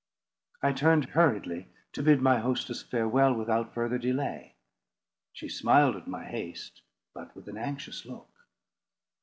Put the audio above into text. I turned hurriedly to bid my hostess farewell without further delay. She smiled at my haste, but with an anxious look.